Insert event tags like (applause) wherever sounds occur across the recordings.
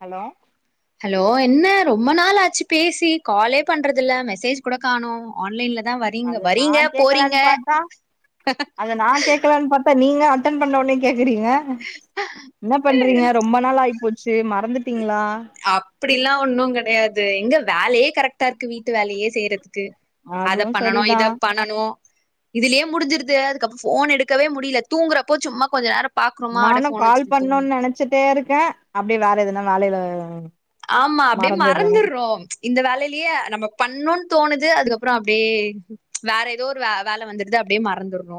Hello hello என்ன ரொம்ப நாள் ஆச்சு பேசி காலே பண்றதுல்ல மெசேஜ் கூட காணோ ஆன்லைன்ல தா வரீங்க அத நா வரீங்க கேக்கலான்னு போறீங்க பாத்தா அத நா கேக்கலான்னு பாத்தா நீங்க அட்டன் பண்ண ஒன்னே கேக்குறீங்க என்ன பண்றீங்க ரொம்ப நாள் ஆயி போச்சு மறந்துட் அப் ப்டிலா ஒண்ணு கெடயாது எங்க வேலயே கரெக்ட்டா இருக்கு வீட்டு வேலயே செய்றதுக்கு அத அதுவு பண்ணணு சரிதா இத பண்ணணு இதுலயே முடிஞ்சுருது அதுக்கப்றொ ஃபோன் எடுக்கவே முடியல தூங்குறப்போ சும்மா கொஞ்ச நேரொ பாக்றோமா அடே ஃபோன வச்சிட்டு தூங்கு சட்டே இருக்க அப்டியே வேற எதுன்னா வேலைல ஆமா அப்டியே மறந்துர்றோ இந்த வேலைலியே நம்ம பண்ணுன் தோணுது அதுக்கப்றோ அப்டியே வேற ஏதோ ஒரு வ வேல வந்துருதா அப்டியே மறந்துறோ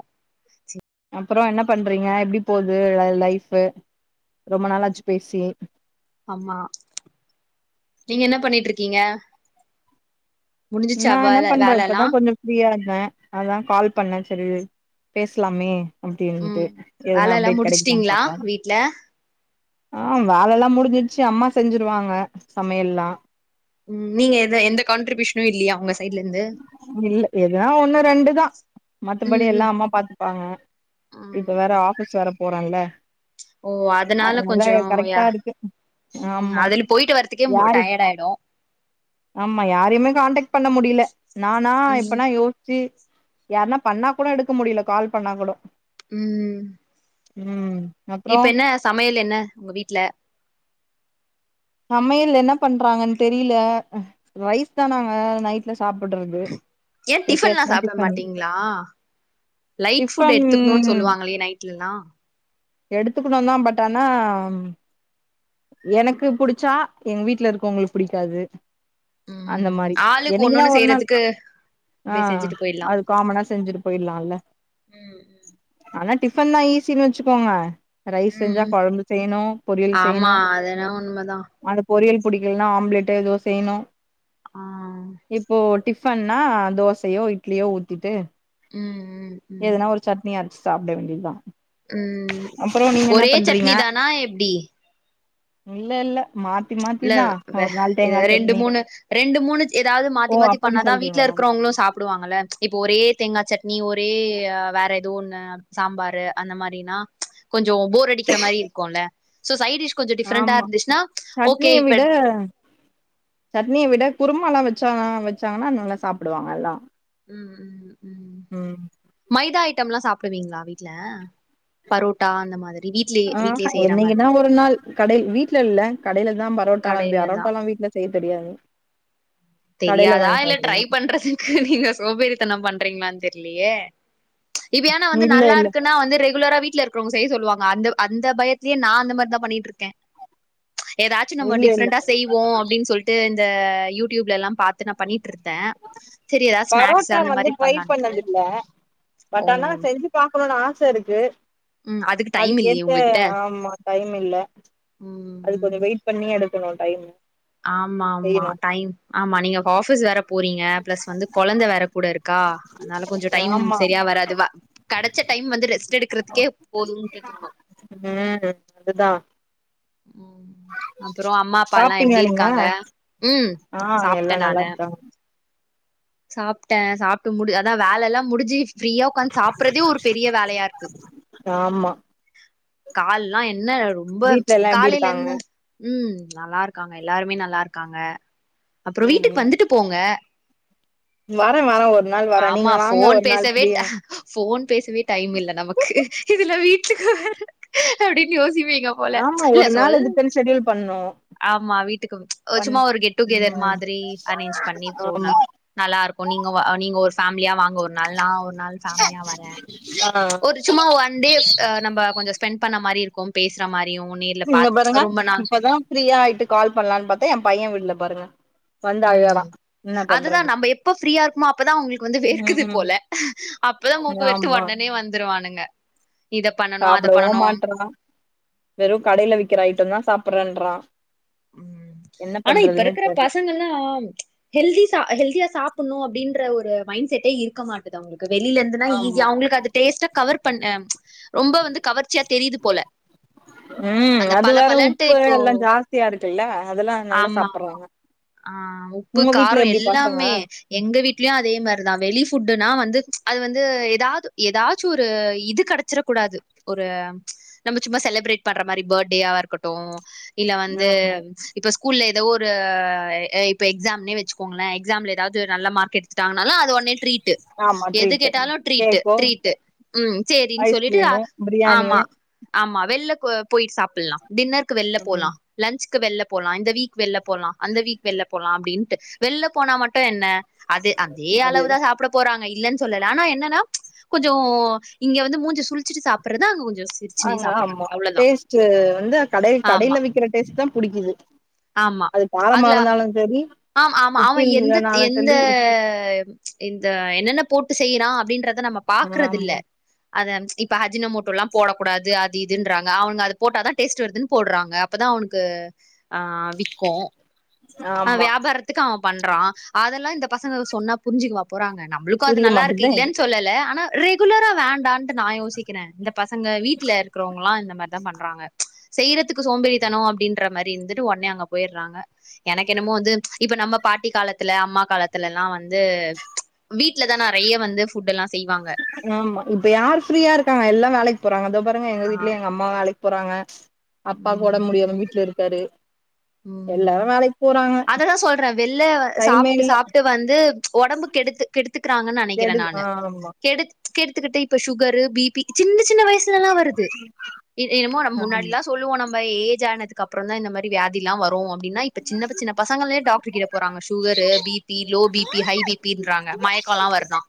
அப்றோ என்ன பண்றீங்க எப்டி போது ல லைஃபு ரொம்ப நாளாச்சு பேசி ஆமா நீங்க என்ன பண்ணிட்ருக்கீங்க நா என்ன வேலை பண்ற வேலை எல்லாம் இப்பதா கொஞ்ச ஃப்ரீயா இருந்த அதுதா கால் பண்ண செரி பேஸ்லாமே அப்டின்ட்டு ம் எதனா வேல எல்லா அப்டேட் கெடைக்குதான் முடிச்சுட்டீங்களா பாப்போ வீட்ல ஆ வேலல்லா முடிஞ்சிட்ச்சி அம்மா செஞ்சிருவாங்க சமையெல்லா ம் நீங்க எத எந்த கான்ட்ரிபியூஷனு இல்லியா உங்க சைட்லந்து இல்ல ஏதா ஒண்ணு ரெண்டு தா மத்தபடி ம் எல்லா ம் அம்மா பாத்துப்பாங்க ம் இப்ப வேற ம் ஆபீஸ் வேற போற இல்ல ஓ அதனால கொஞ்சோ கரெக்டா ய இருக்கு ம் ஆமா அதுல போய்ட்டு வரதுக்கே மு யாரு டயட் ஆய்டு ஆமா யாரையுமே காண்டெக்ட் பண்ண முடியில நானா ம் இப்பனா யோச்சி யாருனா பண்ணா கூட எடுக்க முடியில கால் பண்ணா கொடோ ம் ம் அப்றோ இப்ப என்ன சமையல் என்ன உங்க வீட்ல சமயல் என்ன பண்றாங்கன் தெரியில ரைஸ் தானாங்க நைட்ல சாப்புட்றது ஏ டிஃபன் ல்லா எப்பயாச்சுதா சாப்ட டிஃபன் மாட்டீங்ளா லைட் ஃபுட் டிஃபன் எடுத்துக்குனுன் சொல்லுவாங்களே நைட் டில்லா எடுத்துக்கனுந்தா பட் ஆனா எனக்கு புடிச்சா எங்க வீட்ல இருக்றவங்ளுக் புடிக்காது அந்த ம் மாரி ஆளுக்கு என்னைக்கு நா ஒன்னொன்னு ஒரு நாள் செய்யறதுக்கு ஆ அப்டியே செஞ்சுட்டு போயிடலா அது காமனா செஞ்சிட்டு போயிர்லா இல்ல ம் ஆனா டிஃபன் தா ஈஸினு வச்சுக்கோங்க ரைஸ் ம் செஞ்சா ம் கொழம்பு செய்னு பொரியல் ஆமா செய்னு அதென்னவோ உண்மதா அந்த பொரியல் புடிக்கலைனா ஆம்லெட் ஏதோ செய்னு ஆ இப்போ டி ஃபன்னா தோசயோ இட்லியோ ஊத்திட்டு ம் ம் எதனா ஒரு சட்னி அரச்சி சாப்ட வேண்டியது தா ம் ஒரே சட்னி தானா எப்டி இல்லல்ல இல்ல ரெண்டு சட்னி மூணு ரெண்டு மூணு ஏதாவது ஓ மாத்தி மாத்தி அப்டி பண்ணாதா வீட்ல சொல்றீங்களா இருக்குறவங்களு சாப் டுவாங்கல்ல இப்போ ஒரே தேங்கா சட்னி ஒரே வேற எதோ ஒண்ணு சாம்பாரு அந்த மாரினா கொஞ்சோ போர் அடிக்கிற மாரி இருக்குல்ல சோ சைடிஷ் கொஞ்சோ டிஃப்ரெண்டா ஆமா இருந்துச்னா சட்னிய விட சட்னிய விட குருமால்லா வச்சாங்க வச்சாங்கனா நல்லா சாப்டுவாங்க எல்லா ம் ம் மைதா ஐட்டம்ல்லா சாப்டுவீங்ளா வீட்ல பரோட்டா அந்த மாதிரி வீட்லயே ஆஹா வீட்லயே செய்ற என்னைக்குனா மாதிரி ஒரு நாள் கட வீட்ல இல்ல கடைலதா பரோட்டாலா கடையிலதா பரோட்டாலா வீட்ல செய்ய தெரியாது கடையில தெரியாதா வாங்கிட்டு இல்ல ட்ரை வந்துருவோ பண்றது நீங்க சோபேரித்தனம் பண்றீங்களான்னு தெரியலயே இப்ப ஏன்னா வந்து இல்ல நல்லா இல்ல இருக்குன்னா வந்து ரெகுலரா வீட்லருக்கிறவங்க செய் சொல்வாங்க அந்த அந்த பயலயே நா அந்த மாரிதா பண்ணிட்ருக்கே ஏதாச்சு நம்ம இல்ல இல்ல டிஃப்ரெண்டா செய்வோ அப்டின்னு சொல்ட்டு இந்த யூ டியூப்லல்லா பாத்து நா பண்ணிட்ருந்தே பரோட்டா வந்து ட்ரை பண்ணதுல்ல ஓ பட் ஆனா செஞ்சு பாக்ணுனு ஆசருக்கு ம் அதுக்கு டைம் இல்லையே அதுக்கேத்த உங்ககிட்ட ஆமா டைம் இல்ல அதுக்கு கொஞ்சோ ம் வெயிட் பண்ணி எடுக்கணு டைமு ஆமா ஆமா டைம் ஆமா நீங்க ஆபிஸ் வேற போறீங்க பிளஸ் வந்து கொழந்தை வேற கூடருக்கா அதனால கொஞ்சோ டைம் ஆமா செரியா வராதுவ கெடச்ச டைம் வந்து ரெஸ்ட் எடுக்கிறதுக்கே போதும்னு தோனு ம் அதுதா ம் அப்றோ அம்மா அப்பால்லா சாப்ட்டீங்களா எப்டிரு நீங்க இருக்காங்க ம் ஆ சாப்ட்டே எல்லா நல்லா நானு இருக்காங்க சாப்ட்டே சாப்ட்டு முடி அதா வேலல்லா முடிச்சி ஃப்ரீயா உக்காந்து சாப்புறதே ஒரு பெரிய வேலயாருக்கு ஆமா கால்லா என்ன ரொம்ப வீட்ல எல்லா எப்டி காலைல இருக்காங்க என்ன ம் நல்லாருக்காங்க எல்லாருமே நல்லாருக்காங்க அப்றோ ம் வீட்டுக்கு ம் வந்துட்டு போங்க வரே வரே ஒரு நாள் வரே நீங்க வாங்க ஒரு நாள் ஃப்ரீயா போன் பேசவே டைம் இல்ல நமக்கு இதுல்ல வீட்டுக்கு வேற அப்டின்னு யோசிப்பீங்களா ஆமா ஒரு நாள் இதுக்குன்னு செடியூல் பண்ணு ஆமா வீட்டுக்கு அ ஒன் சும்மா ஒரு கெட் டுகெதர் ம் மாதிரி அரேஞ்ச் பண்ணி போலா ஆமா நல்லாருக்கு நீங்க அ நீங்க ஒரு ஃபேமிலியா வாங்க ஒரு நாள் நா ஒரு நாள் ஃபேமிலியா வரே (inaudible) ஒரு சும்மா ஒன்டே அ நம்ப கொஞசோ ஸ்பெண்ட் பண்ண மாரியுருக்கு பேசுற மாரியு நீ ங்க பாருங்க இப்பதா ஃப்ரீயா ஆயிட்டு கால் பண்லான்னு பாத்தேன் ஏ பையே விட்ல பாருங்க வந்து அழறா ம் என்ன அதுதா பண்றது நம்ம எப்ப ஃப்ரீயாருக்குமோ அப்பதா அவ்ங்களுக்கு வந்து வெக்குது ம் போல அப்பதா மூக்கு வெத்து ஆமா உடனே வந்துருவானுங்க இத பண்ணணு அத சாப்டவு பண்ணணு மாட்றா வெறு கடைல விக்கிற ஐட்டம் தா சாப்பிட்றேன்றான் ம் ஆனா இப்ப இருக்குற தெர்ல பசங்கள்லாம் ஹெல்தி சா ஹெல்தியா சாப்புட்ணு அப்டின்ற ஒரு மைண்ட் செட்டே இருக்க மாட்டது அவுங்களுக்கு வெளில இருந்து ஆமா ஈஸியா அவங்களுக்கு அது டேஸ்ட்டா கவர் பண்ண ரொம்ப வந்து கவர்ச்சியா தெரிது போல அந்த பள பளன்ட்டு இப்போ ஜாஸ்தியாருக்குல்ல அதெல்லா நல்லா ஆமா சாப்ட்றாங்க ஆ உப்பு உங்க வீட்ல காரோ எப்டி பசங்க எல்லாமே எங்க வீட்லயு அதே மாரிதா வெளி ஃபுட்டுனா வந்து அது வந்து ஏதாவது ஏதாச்சும் ஒரு இது கட ச்சுறக்கூடாது ஒரு நம்ம சும்மா செலப்ரேட் பண்ற மாரி பர்த்டேயாவாருக்கட்டு இல்ல வந்து ஆமா இப்ப ஸ்கூல்ல ஏதோ ஒரு இப்போ எக்ஸாம்னே வெச்சுக்கோங்கள எக்ஸாம்ல ஏதாது ஒரு நல்ல மார்க் எடு ட்டாங்கனாலு அது உன்னே ட்ரீட்டு ஆமா எது ட்ரீட்டு கேட்டாலு ட்ரீட்டு் கேக்கோ ட்ரீட்டு ம் சேரின்னு சொல்லிட்டு ஐஸ்கிரீமு பிரியாணியு ஆமா ஆமா வெள்ல போய்ட்டு சாப்பிட்லா டின்னருக்கு வெளில போலா ம் லன்ச்கு வெள்ல போலா இந்த வீக் வெள்ல போகலா அந்த வீக் வெள்ல போகலா அப்படின்னுட்டு வெளில போனா மட்டும் என்ன அது அதே அது அளவு தா சாப்பிட் போறாங்க இல்லன்னு சொல்லல ஆனா என்னன்னா கொஞ்சோ இங்க வந்து மூஞ்ஞ சுழி ஆ ஆமா அவ்ளோதா டேஸ்ட் வந்து கடை ஆமா கடையில விக்கிற டேஸ்ட் க்கன் புடிக்குது ஆமா அது காரமா அதுல இருந்தாலும் சேரி ஆம் ஆமா ஆமா எந்தத் எந்த இந்த என்னென்ன போட்டு செய்றா அப்டின்றத நம்ம பாக்குறது இல்ல ஆமா அது ஹன்ஸ் இப்ப அஜின மோட்டோ எல்லாம் போடக் கூடாது அது இதுன்றாங்க அவுங்க அது போட்டாதா டேஸ்ட் வருதுன் போட்றாங்க அப்பதா அவனுக்கு ஆ விக்கும் அ ஆமா வியாபாரத்துக்கு அவே பண்றா அதெல்லாம் இந்த பசங்களுக்கு சொன்னா புரிஞ்சுக்கவா போறாங்கா நம்மளுக்கும் அது புரிய நல்லா இருக்கு மாட்டுதே இல்லன்னு சொல்லல ஆனா ரெகுலரா வேண்டான்னு நா யோசிக் இருக்றே இந்த பசங்க வீட்ல இருக்குறவங்களா இந்த மாரி தா பண்றாங்க செய்யறதுக்கு சோம்பேறித்தனம் அப்டின்ற மாரி இருந்துட்டு ஒட்னே அங்க போயிடுறாங்க எனக்கு என்னமோ வந்து இப்ப நம்ம பாட்டி காலத்துல அம்மா காலத்துல எல்லாம் வந்து வீட்லதா நெறைய வந்து ஃபுட் எல்லாம் செய்வாங்க ஆமா இப்ப யார் ஃப்ரீயா இருக்காங்க எல்லாம் வேலைக்கு போறாங்க இதோ பாருங்க எங்க ஆ வீட்ல எங்க அம்மா வேலைக்கு போறாங்க அப்பா ஒடம்பு முடியாம வீட்ல இருக்காரு உம் எல்லாரு வேலைக்கு போறாங்க அததா சொல்றேன் வெள்ள டைமே சாப்ட்டு இல்ல சாப்ட்டு வந்து ஒடம்பு கெடுத்து கெடுத்துக்கிறாங்கனு நெனைக்கிறே கெடுது நான் ஆமா கெடுத்து கெடுத்துக்கிட்டு இப்ப சுகரு பிபி சின்ன சின்ன வயசுல எல்லா வருது என்னமோ நம்ம முன்னாடி ஆமா எல்லா சொல்லுவோம் நம்ம ஏஜ் ஆனது அப்றோம் தா இந்த மாரி வியாதியெல்லாம் வரும் அப்டின்னு இப்ப சின்ன சின்ன பசங்கலே டாக்டர் கிட்ட போறாங்க sugar பிப் B low BP high பிபன்றாங்க மயக்கோலா வருதா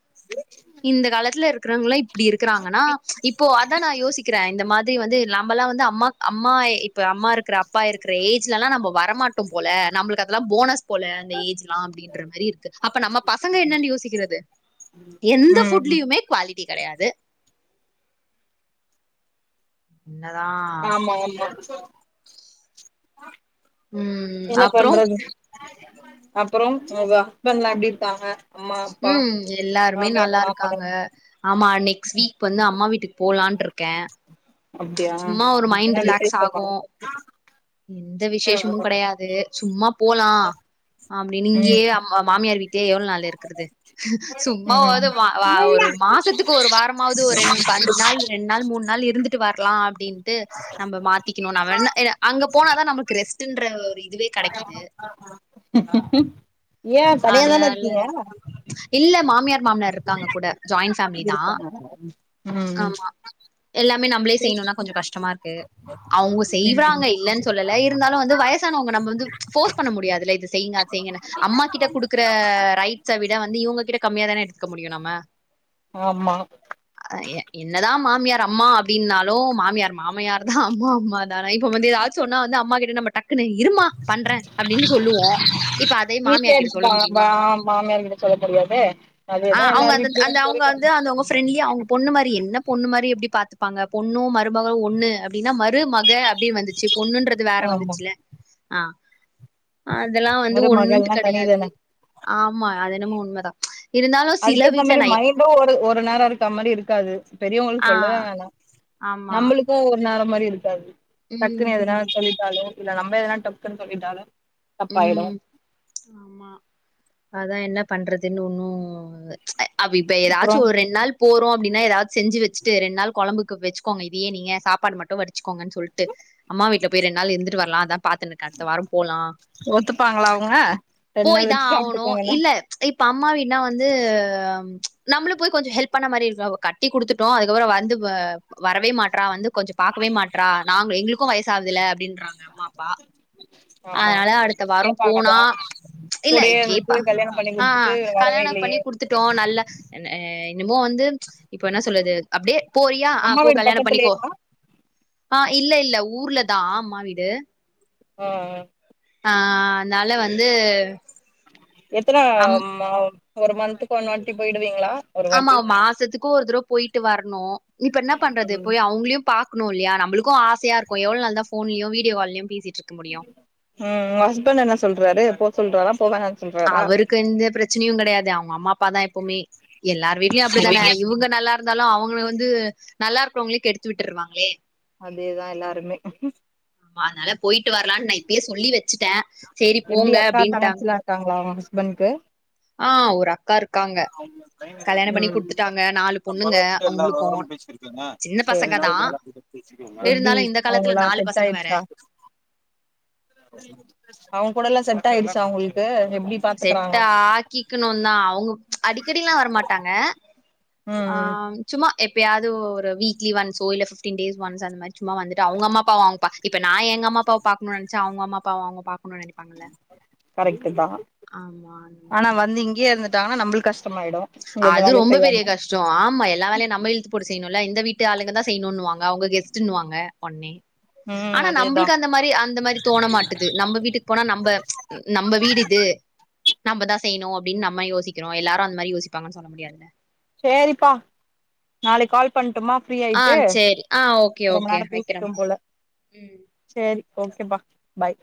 இந்த காலத்துல இருக்குறவங்கல்லாம் இப்டி இருக்குறாங்கன்னா இப்போ அதா நா யோசிக்கிறே இந்த மாத் வந்து நம்மல்லாம் வந்து அம்மா அம்மா இப்ப அம்மா இருக்குற அப்பா இருக்குற ஏஜ் லல்லா நம்ம வரமாட்டோம் போல நம்மளுக்கு அதெல்லாம் போனஸ் போல அந்த ஏஜ்லாம் அப்டின்னு என்ற மாரி இருக்கு அப்ப நம்ம பசங்க என்னென் யோசிக்கிறது எந்த ம் ஃபுட்லயுமே குவாலிட் டி கெடையாது என்னதா ஆமா உண்ம தா ம் என்ன அப்றோ பண்றது அப்றோம் உங்க ஹஸ்பண்ட் லா எப்டி இருக்காங்க அம்மா அப்பா உம் எல்லாருமே மாமியார் நல்லா இருக்காங்க மாமனார் ஆமா நெக்ஸ்ட் வீக் வந்து அம்மா வீட்டுக்கு போலான் இருக்கேன் அப்டியா சும்மா ஒரு மைண்ட் என்ன ரிலாக்ஸ் விசேஷமா ஆகும் எந்த விசேஷமும் ம் கெடையாது சும்மா போலாம் அப்டின் இங்கயே மாமியார் வீட்லயே எவ்ளவு நாள் இருக்கறது சும்மா ஆவது ம் வா ஒரு மாசத்துக்கு ஒரு வாரமாவது ஒரு ரெண் அஞ்சு நாள் ரெண்டு நாள் மூணு நாள் இருந்துட்டு வரலாம் அப்டின்னு நம்ம மாத்திக்கணும் அங்க போனாதா நம்மளுக்கு ரெஸ்டுன்ற ஒரு இதுவே கெடைக்குது ஏ தனியாதான அதுனால்ல இருக்கீங்க இல்ல மாமியார் மாமனார் இருக்காங்க கூட ஜாயிண்ட் ஃபேமிலி தா உம் ஆ எல்லாமே நம்மளே செய்யணும்னா கொஞ்சோம் கஷ்டமா இருக்கு அவுங்க செய்வாங்க இல்லன்னு சொல்லல இருந்தாலு வந்து வயசானவங்க நம்ம வந்து போர்ஸ் பண்ண முடியாதுல்ல இது செய்ங்க அது செய்ங்கன்னு அம்மா கிட்ட குடுக்குற ரைட் ஸவிட வந்து இவுங்ககிட்ட கம்மியா தான எடுத்துக்க முடியும் நம்ம ஆமா என்னதா மாமியார் அம்மா அப்டின்னாலும் மாமியார் மாமியார் தா அம்மா அம்மா தான இப்ப வந்து ஏதாவது சொன்னா வந்து அம்மா கிட்ட நம்ம டக்குன்னு இருமா பண்றே அப்டின்னு சொல்லுவோ இப்ப அதே வீட்ல மாமியார் கிட்ட சொல்ல எடுத்துப்பாங்க பா முடியுமா மாமியார் கிட்ட சொல்ல முடியாது ஆ அதேதா அவுங்க எல்லாரு அந்த அந்த வீட்லயு அவுங்க வ சொல்லிட்டாங்க அந்த அங்க ப்ரெண்லியா அவ் பொண்ணு மாரி என்ன பொண்ணு மாரி எப்டி பா்த்துப்பாங்க பொண்ணு மருமக ஒண்ணு அப்டின்னா மருமக அப்டி வந்துச்சு பொண்ணுன்றது வேற ஆமா வந்துச்சுல ஆ அதெல்லா வந்து ஒண்ணுட்டு மருமகள்னா கெடையாது தனிதான ஆமா அது என்னமோ உண்மதா இருந்தாலு சில அதுக்கேத்த வீட்ல மாரி நா மைண்டு ஒரு ஒரு நேரோ இருக்க மாரி இருக்காது பெரியவங்களுக்கு ஆ சொல்லவே வேணா ஆமா இப்போ ஒரு நேரோ மாரி இருக்காது டக்குன்னு எதனா ம் சொல்லிட்டாலோ இல்ல நம்ம எதனா டக்குன்னு சொல்லிட்டாலு ம் தப்பாயிடு ம் ஆமா அதா என்ன பண்றதுன்னு ஒன்னு அ அப்ப இப்ப அப்றோ ஏதாச்சு ஒரு ரெண் நாள் போறோ அப்டின்னா ஏதாது செஞ்சு வச்சுட்டு ரெண் நாள் கொழம்புக்கு வச்சிக்கோங்க இதையே நீங்க சாப்பாடு மட்டு வடிச் வச்சுக்கோங்கன் சொல்ட்டு அம்மா வீட்ல போய் ரெண்டு நாள் இருந்துட்டு வரலா அதா பாத்துன்னுக்க அடுத்த வாரோ போலா ஒத்துப்பாங்களா அவங்க ரெண்டு போய் நாள் தா வச்சு ஆவணு சாப்ட்டுக்கோங்கன்னா இல்ல இப்ப அம்மா வீட்னா வந்து அ நம்ளு போய் கொஞ்சோ ஹெல்ப் பண்ண மாரி இருக்கு கட் டி குடுத்துட்டோ அதுக்கப்புறோ வந்து வ வரவே மாட்றா வந்து கொஞ்சோ பாக்கவே மாட்றா நாங்க எங்களுக்கு வயசாகவுதுல்ல அப்டின்றாங்க அம்மா அப்பா ஆமா அதனால அடுத்த வாரோ கேப்பாங்க போனா தா இல்ல கூடயே இருந்துட்டு கேப்பா கல்யாணோ பண்ணி குடுத்துட்டு வரவே இல்லையே த்துட்டோ நல்ல இ இனிமோ வந்து இப்ப என்ன சொல்லுது அப்டியே போறியா ஆ அம்மா போ வீடு கல்யாணோ பண்ணிக்கோ பக்கத்துலயேவா ஆ இல்ல இல்ல ஊர்ல தா அம்மா வீடு ம் ம் ஆ அனால வந்து எத்தன அம் ம ஒரு மந்த்துக்கு ஒன் வாட்டி போய்டுவீங்ளா ஆமா மாசத்துக்கு ஒரு தடவ போய்ட்டு வர்ணு இப்ப என்ன ம் பண்றது போய் அவ்ங்ளையு பாக்ணு இல்லியா நம்மளுக்கு ஆசையா இருக்கு எவ்ளோ நாள் தா ஃபோன்லயு வீடியோ கால்லயு பேசிட்ருக்க முடியு ம் உ ஹஸ்பண்ட் என்ன சொல்றாரு போ சொல்றாரா போவனான் அவருக்கு எந்த பிரச்சனையு கெடையாது அவங்க அம்மா அப்ப தா இப் போமே எல்லாரு வீட்லயு அப்டி தான இவங்க நல்லா இருந்தாலு அவங்க வந்து நல்லா இருக்குறவங்களயு கெடுத்து விட்ருவாங்களே அதேதா எல்லாருமே அதனால போய்ட்டு வரலான் நா இப்பயே சொல்லி வச்சுட்ட சரி எப்டி போங்க அக்கா அப்டின்ட்டாங்க தங்கச்சிலா இருக்காங்களா உங்க ஹஸ்பண்ட்க்கு ஆ ஒரு அக்கா இருக்காங்க கல்யாணோ பண்ணி ம் குடுத்துட்டாங்க நாலு பொண்ணுங்க அவங்களுக்கு சின்ன சேரி பசங்க தா எப்டி இருந்தாலு இந்த காலத்துல அவங்களா நாலு செட் பசங்க வேற ஆய்டுச்சா அவங்க கூடல்லா செட் ஆய்டுச்சா உங்களுக்கு எப்டி செட் பாத்துக்கறாங்க ஆக்கிக்கணு தா அவங்க அடிக்கடில்லா வரமாட்டாங்க ம் ஆ ம் சும்மா எப்பயாது ஒரு வீக்லி ஒன்ஸோ இல்ல பிப்டீன் டேஸ் ஒன்ஸ் அந்த மாரி சும்மா வந்துட்டு அவங்க அம்மா அப்பா அவங்க பா இப்ப நா எங்க அம்மா அப்பாவ பாக்கணுன் நெனச்சா அவங்க அம்மா அப்பாவ அவங்க பாக் கரெக்ட்டு தா ஆமா அந்த ஆனா மாரி வந்து இங்கயே இருந்து டாங்கன்னா நம்ளுக்கு கஷ்டமாய்டு அது ரொம்ப பெரிய கஷ் டோ ஆமா எல்லா வேலயு நம்ம இழுத்து போட்டு செய்யணுல்ல இந்த வீட்டு ஆளுங்க தா செய்யணுன்னுவாங்க அவங்க கெஸ்ட்ன்னுவாங்க ஒன்னே ம் ஆனா அதேதா நம்ப்ளுக்கு அந் அந்த மாதிரி அந்த மாதிரி தோண மாட்டுது நம்ம வீட்டுக்கு போனா நம்ம நம்ம வீடு இது நம்ம தா செய்யணும் அப்படின் நம்ம யோசிக்கிறோ எல்லாரு அந்த மாதிரி யோசிபாங்கன்னு சொல்ல முடியாதுல செரிப்பா நாளைக்கு கால் பண்ணட்டுமா ஃப்ரீ ஆ ஆயிட்டு சரி. ஆ ஓகே ரொம்ப ஓகே. நேரம் பேசிட்டோம் வைக்கிறேன்ப்பா. போல ம். சரி ஓகேப்பா பாய்